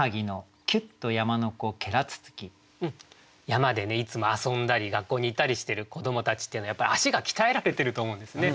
山でねいつも遊んだり学校に行ったりしてる子どもたちっていうのはやっぱり足が鍛えられてると思うんですね。